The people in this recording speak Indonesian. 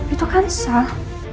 itu kan sal